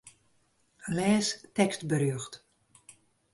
Lês tekstberjocht.